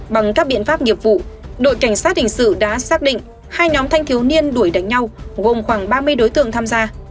bằng các biện pháp nghiệp vụ đội cảnh sát hình sự đã xác định hai nhóm thanh thiếu niên đuổi đánh nhau gồm khoảng ba mươi đối tượng tham gia